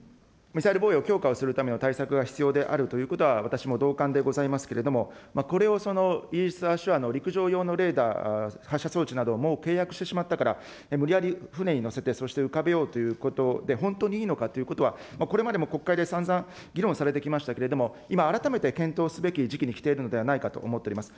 ミサイル防衛を強化するための対策が必要であるということは私も同感でございますけれども、これをイージス・アショアの陸上用のレーダー発射装置などをもう契約してしまったから、無理やり船に乗せて、そして浮かべようということで本当にいいのかということは、これまでも国会でさんざん議論されてきましたけれども、今、改めて検討すべき時期にきているのではないかと思っております。